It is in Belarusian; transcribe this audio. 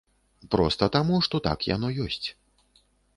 Проста таму, што так яно ёсць.